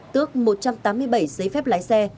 tước một trăm tám mươi bảy giấy phép lái xe